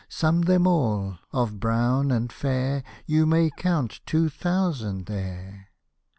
Sum them all — of brown and fair You may count two thousand there.